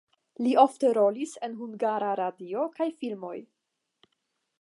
Li ofte rolis en Hungara Radio kaj filmoj.